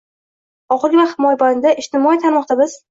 Ohirgi vaqt mobaynida ijtimoiy tarmoqda biz